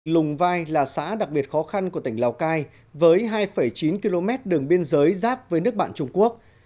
lùng vai là xã đặc biệt khó khăn của tỉnh lào cai với hai chín km đường biên giới giáp với nước bạn trung quốc